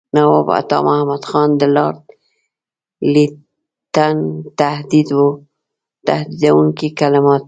نواب عطامحمد خان د لارډ لیټن تهدیدوونکي کلمات.